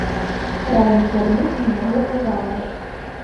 Раім звярнуць на яго ўвагу.